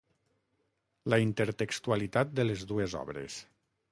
La intertextualitat de les dues obres.